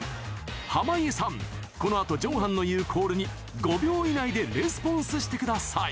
濱家さん、このあとＪＥＯＮＧＨＡＮの言うコールに５秒以内でレスポンスしてください。